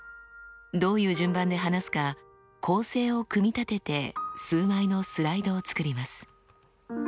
どういう順番で話すか構成を組み立てて数枚のスライドを作ります。